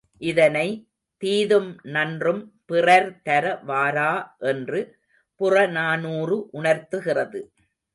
இதனை, தீதும் நன்றும் பிறர்தர வாரா என்று புறநானூறு உணர்த்துகிறது.